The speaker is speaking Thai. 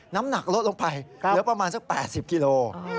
น้ำหนักลดลงไปเหลือประมาณสัก๘๐กิโล